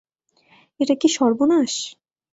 এটা কি সর্বনাশ?